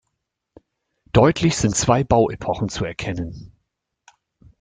Deutlich sind zwei Bauepochen zu erkennen.